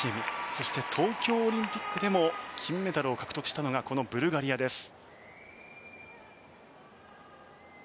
そして、東京オリンピックでも金メダルを獲得したのがこのブルガリアです。